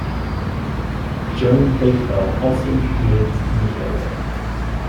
Joan Bakewell also lives in the area.